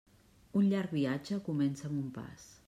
Un llarg viatge comença amb un pas.